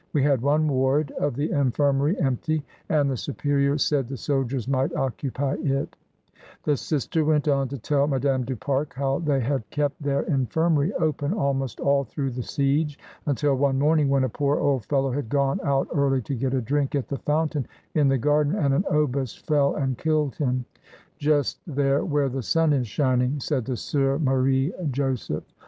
"We had one ward of the infirmary empty, and the Su perior said the soldiers might occupy it" The sister went on to tell Madame du Pare how they had kept their infirmary open almost all through the siege until one morning when a poor old fellow had gone out early to get a drink at the fountain in the garden, and an obus fell and killed him, ''just theie where the sun is shining," said the Soeur Marie Jo« seph.